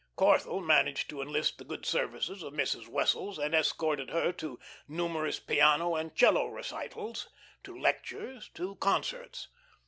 Corthell managed to enlist the good services of Mrs. Wessels and escorted her to numerous piano and 'cello recitals, to lectures, to concerts.